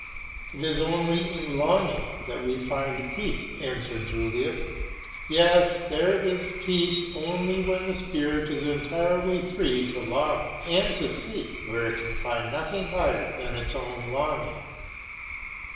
"It is only in longing that we find peace," answered Julius. "Yes, there is peace only when the spirit is entirely free to long and to seek, where it can find nothing higher than its own longing."